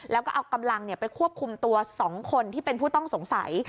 แล้วก็เอากำลังไปควบคุมตัว๒คนที่เป็นผู้ต้องสงสัย